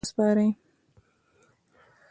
او ځانونه د ترکیې حکومت ته وسپاري.